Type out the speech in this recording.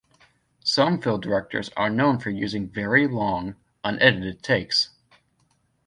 Some film directors are known for using very long, unedited takes.